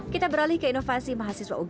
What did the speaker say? kita beralih ke inovasi mahasiswa ug